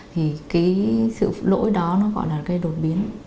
thì cái sự lỗi đó nó gọi là cái đột biến